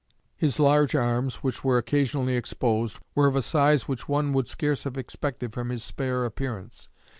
His large arms, which were occasionally exposed, were of a size which one would scarce have expected from his spare appearance.